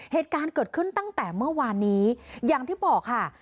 เหตุการณ์เกิดขึ้นตั้งแต่เมื่อวานนี้อย่างที่บอกค่ะ